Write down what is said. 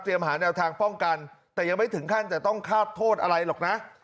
หาแนวทางป้องกันแต่ยังไม่ถึงขั้นจะต้องฆาตโทษอะไรหรอกนะ